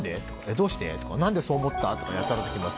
どうして？とか何でそう思った？とかやたらと聞きます。